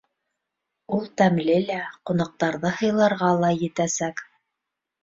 Ул тәмле лә, ҡунаҡтарҙы һыйларға ла етәсәк.